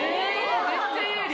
めっちゃ有利。